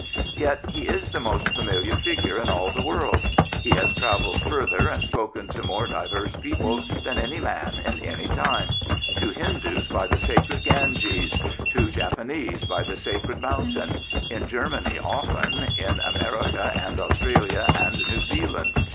Yet he is the most familiar figure in all the world. He has travelled further and spoken to more diverse peoples than any man in any time — to Hindoos by the sacred Ganges, to Japanese by the sacred moun tain, in Germany often, in America and Australia and New Zealand.